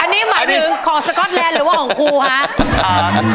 อันนี้หมายถึงของสก๊อตแลนด์หรือว่าของครูคะ